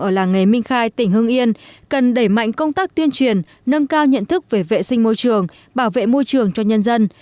ở làng nghề minh khai tỉnh hưng yên cần đẩy mạnh công tác tuyên truyền nâng cao nhận thức về vệ sinh môi trường bảo vệ môi trường cho nhân dân